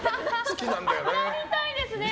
やりたいですね。